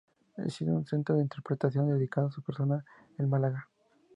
Existe un centro de interpretación dedicado a su persona en Málaga.